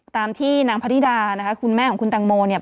ตามที่นางพนิดานะคะคุณแม่ของคุณตังโมเนี่ย